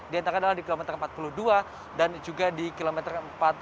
diantara adalah di kilometer empat puluh dua dan juga di kilometer empat puluh tujuh